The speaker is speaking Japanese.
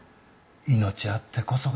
命あってこそだ。